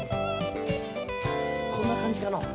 こんな感じかのう？